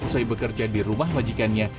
usai bekerja di rumah majikannya